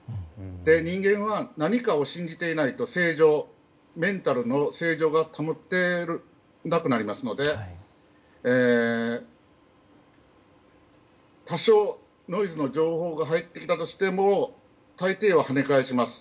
人間は、何かを信じていないとメンタルの正常が保てなくなりますので多少、ノイズの情報が入ってきたとしてもたいていは跳ね返します。